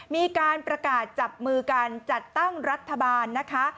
มีการประกาศจับมือกันจัดตั้งรัฐบาลนะคะ